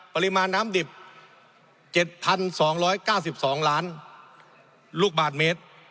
ปริมาณน้ำดิบ๗๒๙๒ล้านลูกบาทเมตร